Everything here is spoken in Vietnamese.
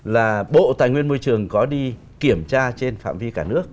là bộ tài nguyên môi trường có đi kiểm tra trên phạm vi cả nước